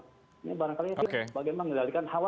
ini barangkali bagaimana mengendalikan hawa